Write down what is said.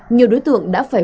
nhiều đối tượng đã phải